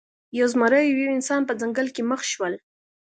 یو زمری او یو انسان په ځنګل کې مخ شول.